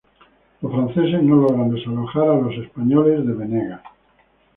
Los franceses no logran desalojar a los españoles de Venegas.